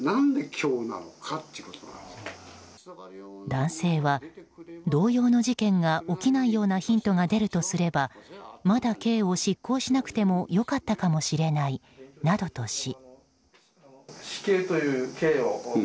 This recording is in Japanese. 男性は、同様の事件が起きないようなヒントが出るとすればまだ刑を執行しなくても良かったかもしれないなどとし。